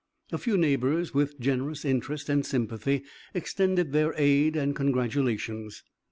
A few neighbors with generous interest and sympathy extended their aid and congratulations.